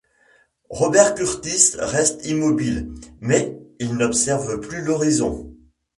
Robert Kurtis reste immobile, mais il n’observe plus l’horizon.